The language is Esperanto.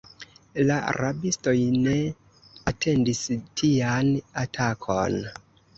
La rabistoj ne atendis tian atakon.